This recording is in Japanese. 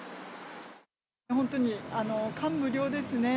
本当に感無量ですね。